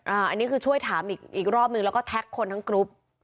อันนี้คือช่วยถามอีกรอบนึงแล้วก็แท็กคนทั้งกรุ๊ป